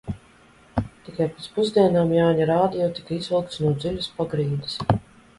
"Tikai pēc pusdienām Jāņa radio tika izvilkts no dziļas "pagrīdes"."